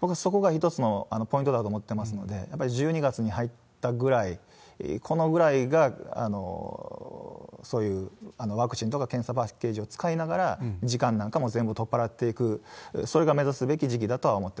僕はそこが一つのポイントだと思ってますので、やっぱり１２月に入ったぐらい、このぐらいが、そういうワクチンとか検査パッケージを使いながら、時間なんかも全部取っ払っていく、それが目指すべき時期だとは思ってます。